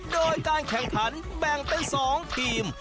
โดยการแข่งขันแบ่งเป็น๒ทีม